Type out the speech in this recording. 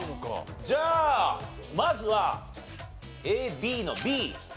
じゃあまずはＡＢのＢ。